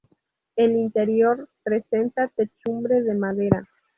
El interior presenta techumbre de madera.